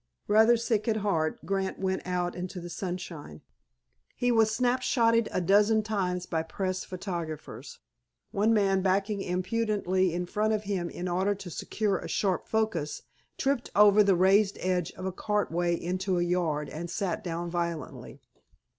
Rather sick at heart, Grant went out into the sunshine. He was snap shotted a dozen times by press photographers. One man, backing impudently in front of him in order to secure a sharp focus, tripped over the raised edge of a cartway into a yard, and sat down violently.